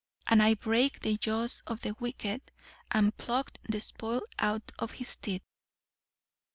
And I brake the jaws of the wicked, and plucked the spoil out of his teeth.'"